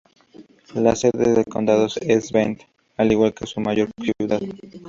La sede del condado es Bend, al igual que su mayor ciudad.